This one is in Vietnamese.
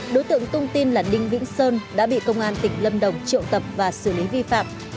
đối tượng tung tin là đinh vĩnh sơn đã bị công an tỉnh lâm đồng triệu tập và xử lý vi phạm